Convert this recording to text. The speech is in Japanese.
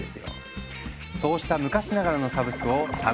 そうした昔ながらのサブスクを「サブスク１．０」。